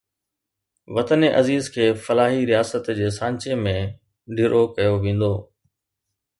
وطن عزيز کي فلاحي رياست جي سانچي ۾ ڍرو ڪيو ويندو